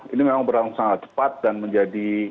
ini memang berlangsung sangat cepat dan menjadi